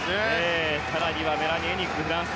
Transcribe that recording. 更にはメラニ・エニック、フランス。